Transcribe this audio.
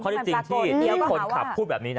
เพราะจริงที่มีคนขับพูดแบบนี้นะ